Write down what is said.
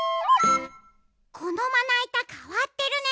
このまないたかわってるね！